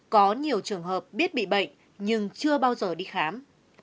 có nhiều trường hợp biết bị bệnh nhưng chưa bao giờ đi khám